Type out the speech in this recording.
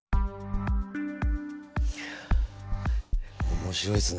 面白いですね。